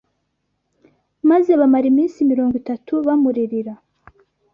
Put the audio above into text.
maze bamara iminsi mirongo itatu bamuririra